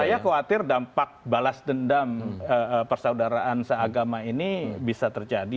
saya khawatir dampak balas dendam persaudaraan seagama ini bisa terjadi